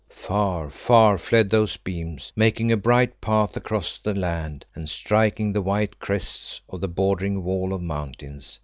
Far, far fled those beams, making a bright path across the land, and striking the white crests of the bordering wall of mountains.